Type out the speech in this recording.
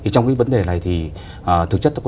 trong vấn đề này thì thực chất